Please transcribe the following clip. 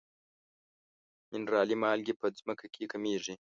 منرالي مالګې په ځمکه کې کمیږي.